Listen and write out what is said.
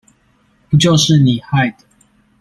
不就是你害的